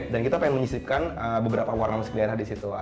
dan kita pengen menyisipkan beberapa warna musik daerah disitu